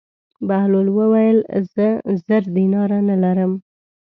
بهلول وویل: زه زر دیناره نه لرم.